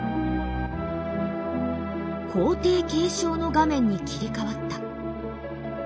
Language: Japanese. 「皇帝継承」の画面に切り替わった。